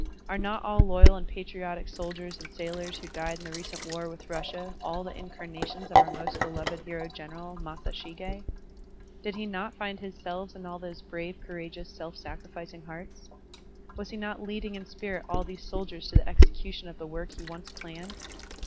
Are not all loyal and patriotic soldiers and sailors who died in the recent war with Russia all the incarnations of our most beloved hero general, Masashig6? Did he not find his selves in all those brave, courageous, self sacri ficing hearts? Was he not leading in spirit all these soldiers to the execution of the work he once planned?